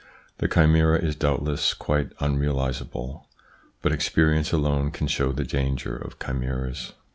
The chimera is doubt less quite unrealisable, but experience alone can show the danger of chimeras.